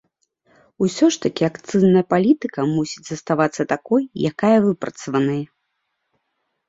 Усё ж такі акцызная палітыка мусіць заставацца такой, якая выпрацаваная.